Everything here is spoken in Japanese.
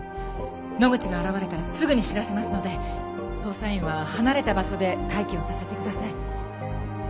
野口が現れたらすぐに知らせますので捜査員は離れた場所で待機をさせてください。